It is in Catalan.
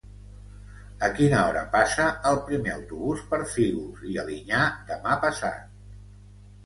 A quina hora passa el primer autobús per Fígols i Alinyà demà passat?